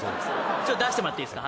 ちょっと出してもらっていいですか。